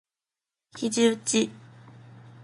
肘うち